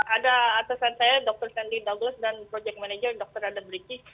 ada atasan saya dr sandy douglas dan project manager dr radha bricky